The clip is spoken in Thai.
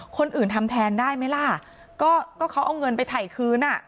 คนอื่นทำแทนได้ไหมล่ะก็ก็เขาเอาเงินไปถ่ายคืนอ่ะ